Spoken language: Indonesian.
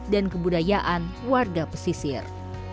dan kebudayaan warga pesisir